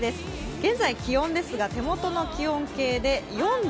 現在気温ですが、手元の気温計で４度。